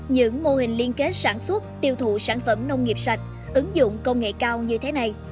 những mô hình liên kết sản xuất tiêu thụ sản phẩm nông nghiệp sạch ứng dụng công nghệ cao như thế này